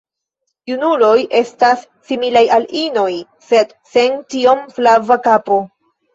Junuloj estas similaj al inoj, sed sen tiom flava kapo.